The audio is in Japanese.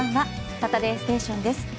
「サタデーステーション」です。